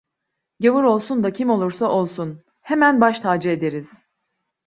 Gavur olsun da kim olursa olsun. Hemen baş tacı ederiz.